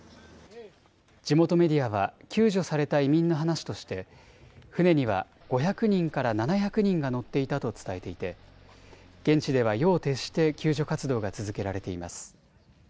地元メディアは救助された移民の話として船には５００人から７００人が乗っていたと伝えていて現地では夜を徹して救助活動が続けられています。